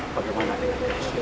bagaimana dengan gusti